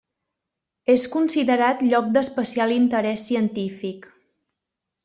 És considerat lloc d'especial interès científic.